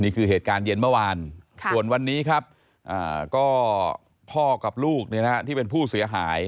นี่คือเหตุการณ์เย็นเมื่อวานส่วนวันนี้ครับก็พ่อกับลูกที่เป็นผู้เสียหาย